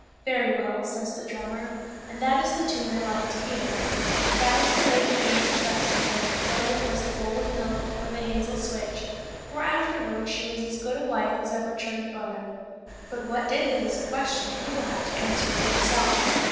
" Very well, says the drummer, " and that is the tune I like to hear." That was the way he gained the best of her, whether it was the bowl of milk or the hazel switch, for afterwards she was as good a wife as ever churned butter ; but what did it is a question that you will have to answer for yourself.